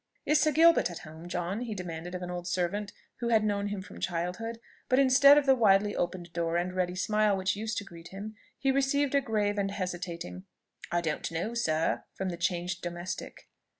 "Is Sir Gilbert at home, John?" he demanded of an old servant who had known him from childhood; but instead of the widely opened door, and ready smile which used to greet him, he received a grave and hesitating "I don't know sir," from the changed domestic.